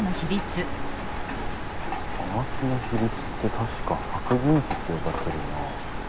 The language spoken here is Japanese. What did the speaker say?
葉書の比率って確か白銀比って呼ばれてるよなあ。